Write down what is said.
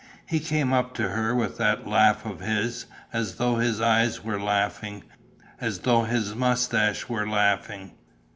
He came up to her with that laugh of his, as though his eyes were laughing, as though his moustache were laughing.